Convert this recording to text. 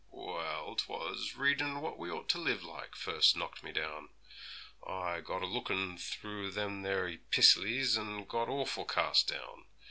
'Well, 'twas readin' what we ought to live like, first knocked me down. I got a lookin' through them there epistlies, and got awful cast down.